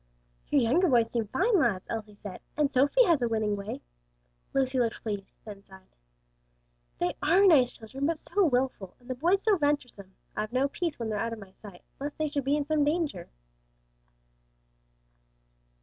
"Your younger boys seem fine lads," Elsie said; "and Sophie has a winning way." Lucy looked pleased, then sighed, "They are nice children, but so wilful; and the boys so venturesome. I've no peace when they are out of my sight, lest they should be in some danger."